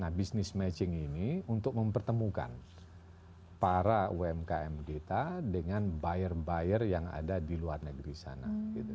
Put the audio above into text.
nah business matching ini untuk mempertemukan para umkm kita dengan buyer buyer yang ada di luar negeri sana